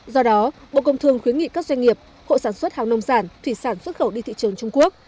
do đó bộ công thương khuyến nghị các doanh nghiệp hộ sản xuất hàng nông sản thủy sản xuất khẩu đi thị trường trung quốc